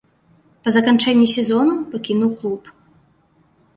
Па заканчэнні сезону пакінуў клуб.